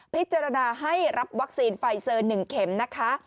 พิจารณาให้รับวัคซีนไฟเซอร์๑เข็มนะคะ